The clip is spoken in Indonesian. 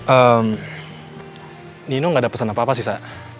ehm nino gak ada pesan apa apa sih sa